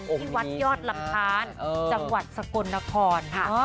ที่วัดยอดลำทาน